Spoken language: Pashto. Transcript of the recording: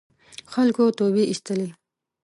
خلکو توبې اېستلې.